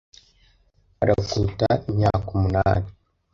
Arakuruta imyaka umunani.